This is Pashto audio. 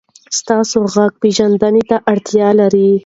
تاسو غږ پېژندنې ته اړتیا لرئ.